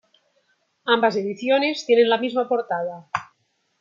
Ambas ediciones tienen la misma portada.